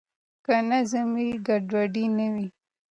که نظم وي ګډوډي نه وي.